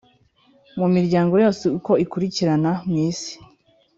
Mu miryango yose uko ikurikirana mw’isi,